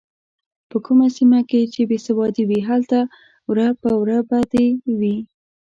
په کومه سیمه کې چې بې سوادي وي هلته وره په وره بدي وي.